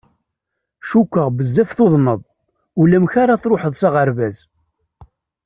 Cukkeɣ bezzaf tuḍneḍ, ulamek ara truḥeḍ s aɣerbaz.